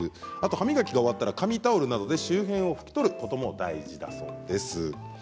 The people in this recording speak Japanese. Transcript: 歯磨きが終わったら紙タオルなどで周辺を拭き取ることも大事だそうです。